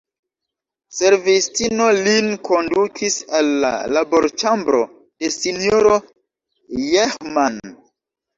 Servistino lin kondukis al la laborĉambro de S-ro Jehman.